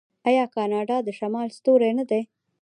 آیا کاناډا د شمال ستوری نه دی؟